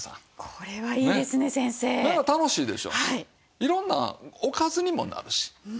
いろんなおかずにもなるし。